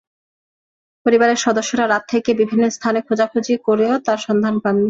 পরিবারের সদস্যরা রাত থেকে বিভিন্ন স্থানে খোঁজাখুঁজি করেও তাঁর সন্ধান পাননি।